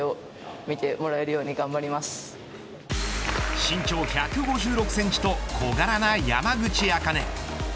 身長１５６センチと小柄な山口茜。